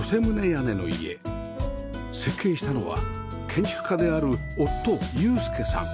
設計したのは建築家である夫雄介さん